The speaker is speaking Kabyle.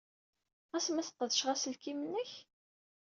Ɣas ma sqedceɣ aselkim-nnek?